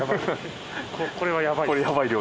これはやばい量？